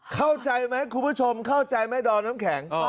เข้าใจไหมคุณผู้ชมเข้าใจไหมดอมน้ำแข็ง